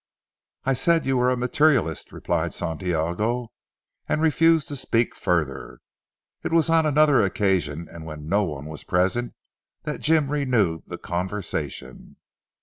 "I said you were a materialist," replied Santiago, and refused to speak further. It was on another occasion and when no one was present that Jim renewed the conversation.